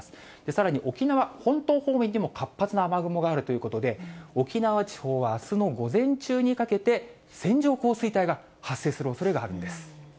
さらに沖縄本島方面にも活発な雨雲があるということで、沖縄地方はあすの午前中にかけて、線状降水帯が発生するおそれがあるんです。